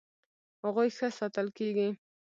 هغوی ښه ساتل کیږي.